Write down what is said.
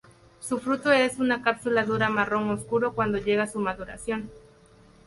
Su fruto es una cápsula dura marrón oscura cuando llega su maduración.